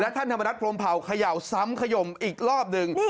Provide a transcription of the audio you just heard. ท่านธรรมนัฐพรมเผาเขย่าซ้ำขยมอีกรอบหนึ่ง